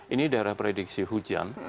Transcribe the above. ini daerah prediksi hujan